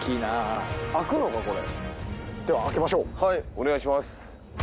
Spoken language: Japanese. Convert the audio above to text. お願いします。